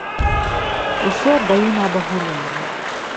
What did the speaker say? Усё аддаю на абагуленне.